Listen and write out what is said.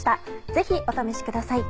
ぜひお試しください。